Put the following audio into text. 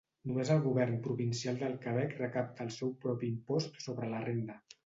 Només el govern provincial del Quebec recapta el seu propi impost sobre la renda.